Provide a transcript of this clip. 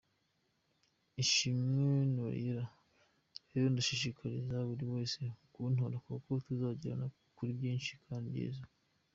Ishimwe Noriella: Rero ndashishikariza buri wese kuntora kuko tuzagerana kuri byinshi kandi byiza.